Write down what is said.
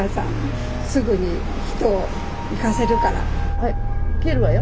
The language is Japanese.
はい切るわよ？